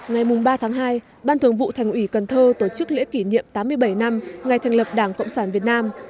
ngày ba tháng hai ban thường vụ thành ủy cần thơ tổ chức lễ kỷ niệm tám mươi bảy năm ngày thành lập đảng cộng sản việt nam